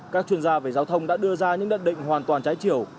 các chuyên gia về giao thông đã đưa ra những nhận định hoàn toàn trái chiều